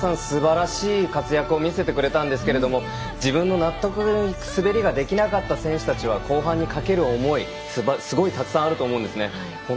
すばらしい活躍を見せてくれたんですけれど自分の納得のいく滑りができなかった選手たちは後半にかける思い、すごいたくさんあると思うんです。